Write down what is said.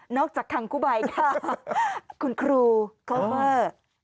นอกจากคังกุบัยค่ะคุณครูโคเฟอร์